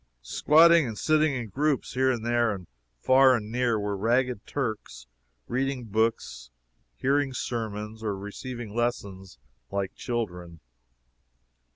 Squatting and sitting in groups, here and there and far and near, were ragged Turks reading books, hearing sermons, or receiving lessons like children.